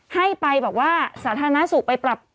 ให้ไปแบบว่าสาธารณสุขไปปรับ